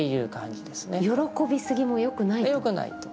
喜びすぎもよくないと。